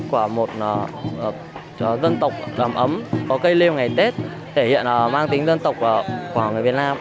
của một dân tộc ấm ấm có cây nêu ngày tết thể hiện mang tính dân tộc của người việt nam